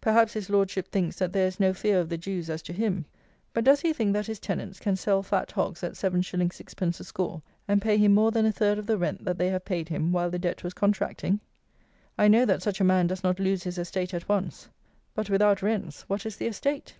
Perhaps his Lordship thinks that there is no fear of the Jews as to him. But does he think that his tenants can sell fat hogs at 7_s._ 6_d._ a score, and pay him more than a third of the rent that they have paid him while the debt was contracting? I know that such a man does not lose his estate at once; but, without rents, what is the estate?